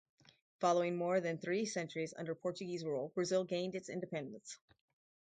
Following more than three centuries under Portuguese rule, Brazil gained its independence.